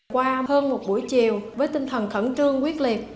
qua hơn một buổi chiều với tinh thần khẩn trương quyết liệt